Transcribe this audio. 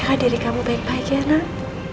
jaga diri kamu baik baik ya anak